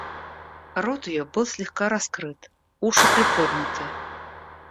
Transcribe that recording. Рот ее был слегка раскрыт, уши приподняты.